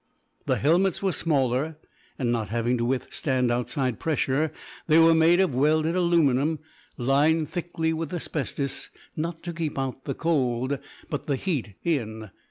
The helmets were smaller, and not having to withstand outside pressure they were made of welded aluminum, lined thickly with asbestos, not to keep the cold out, but the heat in.